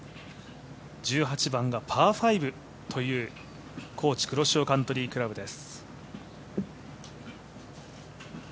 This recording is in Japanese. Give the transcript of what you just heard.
１８番がパー５というＫｏｃｈｉ黒潮カントリークラブです。